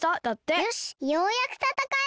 よしようやくたたかえる！